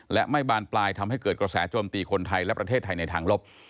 และไม่บานปลายทำให้เกิดกระแสโจมตีคนไทยและประเทศไทยในทางลบ